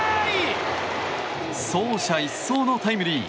走者一掃のタイムリー。